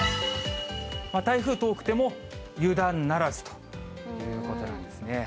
台風遠くても油断ならずということなんですね。